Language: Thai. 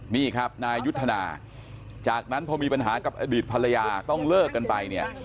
นี่ครับนายยุทธนาจากนั้นพอมีปัญหากับอดีตภรรยาต้องเลิกกันไปเนี่ย